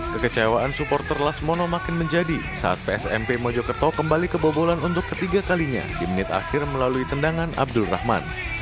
kekecewaan supporter lasmono makin menjadi saat psmp mojokerto kembali kebobolan untuk ketiga kalinya di menit akhir melalui tendangan abdul rahman